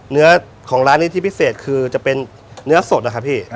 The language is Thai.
เนื้อของร้านนี้ที่พิเศษคือจะเป็นเนื้อสดอะครับพี่